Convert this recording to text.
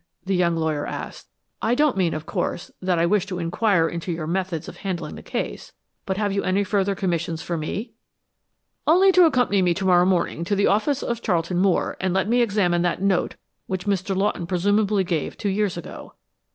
the young lawyer asked. "I don't mean, of course, that I wish to inquire into your methods of handling the case but have you any further commissions for me?" "Only to accompany me to morrow morning to the office of Charlton Moore and let me examine that note which Mr. Lawton presumably gave two years ago.